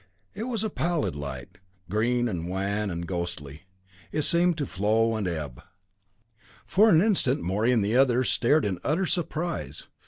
It was a pallid light, green and wan and ghostly, that seemed to flow and ebb. For an instant Morey and the others stared in utter surprise.